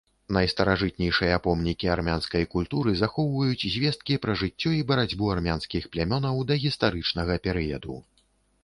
Найстаражытнейшыя помнікі армянскай культуры захоўваюць звесткі пра жыццё і барацьбу армянскіх плямёнаў дагістарычнага перыяду.